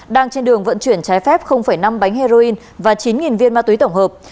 đang trên đường vận chuyển trái phép năm bánh heroin và chín viên ma túy tổng hợp